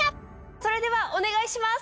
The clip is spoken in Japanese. それではお願いします。